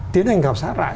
tiến hành khảo sát lại